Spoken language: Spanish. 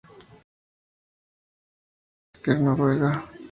Dina nació en Asker, Noruega.